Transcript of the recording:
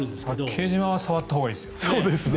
八景島は触ったほうがいいですよ。